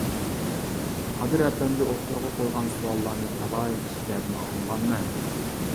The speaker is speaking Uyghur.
قادىر ئەپەندى ئوتتۇرىغا قويغان سوئاللارنى تالاي كىشىلەردىن ئاڭلىغانمەن.